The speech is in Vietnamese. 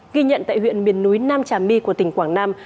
ghi nhận tại huyện miền núi nam trà my của tỉnh quảng nam